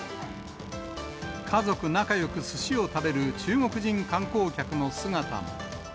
家族仲よくすしを食べる中国人観光客の姿も。